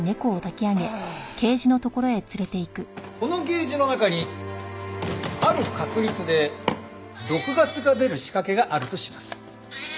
このケージの中にある確率で毒ガスが出る仕掛けがあるとします。